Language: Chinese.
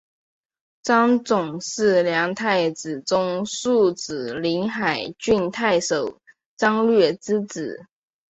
张种是梁太子中庶子临海郡太守张略之子。